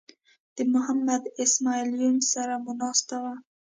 د محمد اسماعیل یون سره مو ناسته وه.